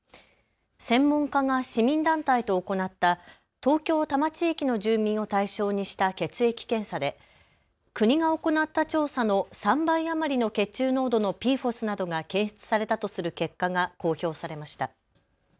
専門家が市民団体と行った東京多摩地域の住民を対象にした血液検査で国が行った調査の３倍余りの血中濃度のＰＦＯＳなどが検出されたとする結果が公表されました。